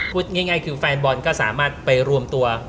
พูดง่ายคือแฟนบอลก็สามารถไปรวมตัว